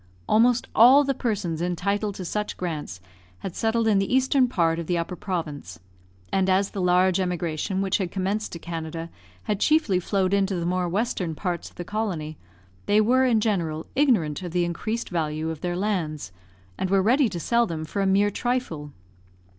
Almost all the persons entitled to such grants had settled in the eastern part of the Upper Province, and as the large emigration which had commenced to Canada had chiefly flowed into the more western part of the colony, they were, in general, ignorant of the increased value of their lands, and were ready to sell them for a mere trifle.